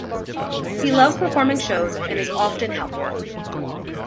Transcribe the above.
He loves performing shows and is often helpful.